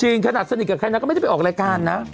จริงขนาดสนิทกับแค่นั้นก็ไม่ได้ไปออกรายการนะ